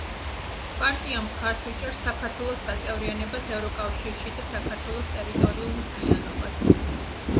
პარტია მხარს უჭერს საქართველოს გაწევრიანებას ევროკავშირში და საქართველოს ტერიტორიულ მთლიანობას.